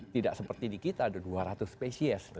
tidak seperti di kita ada dua ratus spesies